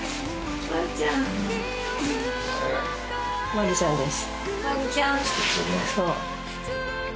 マルちゃんです。